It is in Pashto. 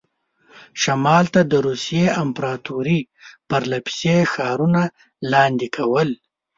شمال ته د روسیې امپراطوري پرله پسې ښارونه لاندې کول.